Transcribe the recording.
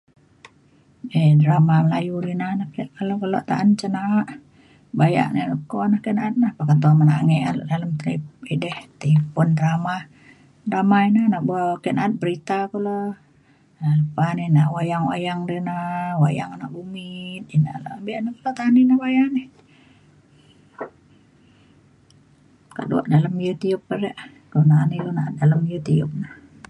[um]drama melayu ya rina na ake keluk ta'an cen na'a bayak ne leko ne ke' na'at e peketo menange dalem teli edai telipon un drama drama ina na bo' ake na'at berita kulu na lepa ni na na'at wayang-wayang ri na, wayang anak dumit be' na ilu ta'an wayang ini kaduk dalem youtube re' kaduk na'an ilu na'at ke dalem youtube na.